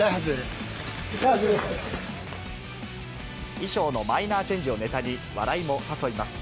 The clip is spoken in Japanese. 衣装のマイナーチェンジをネタに笑いも誘います。